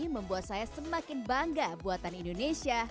membuat saya semakin bangga buatan indonesia